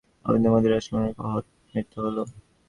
অল্পদিনের মধ্যে রাজারামের মৃত্যু হল।